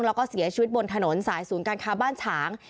แล้วก็เสียชีวิตบนถนนสายศูนย์การค้าบ้านฉาง